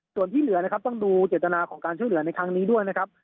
ส่วนที่เหลือนะครับต้องดูเจตนาของการช่วยเหลือในครั้งนี้ด้วยนะครับ